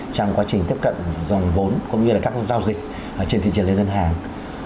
trong quá trình tiếp cận dòng vốn cũng như là các giao dịch trên thị trường liên ngân hàng